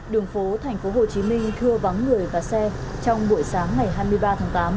đường phố tp hcm thưa vắng người và xe trong buổi sáng ngày hai mươi ba tháng tám